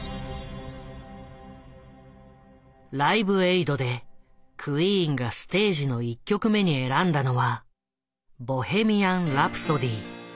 「ライブエイド」でクイーンがステージの１曲目に選んだのは「ボヘミアン・ラプソディ」。